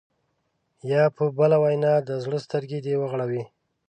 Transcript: یا په بله وینا د زړه سترګې دې وغړوي.